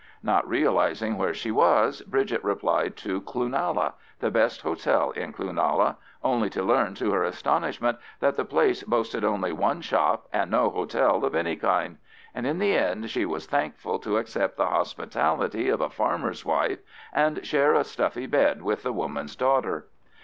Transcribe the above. Not realising where she was, Bridget replied, to Cloonalla, the best hotel in Cloonalla, only to learn to her astonishment that the place boasted only one shop and no hotel of any kind. And in the end she was thankful to accept the hospitality of a farmer's wife, and share a stuffy bed with the woman's daughter.